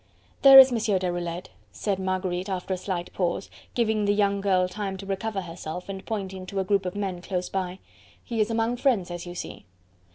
"There is Monsieur Deroulede," said Marguerite after a slight pause, giving the young girl time to recover herself and pointing to a group of men close by. "He is among friends, as you see."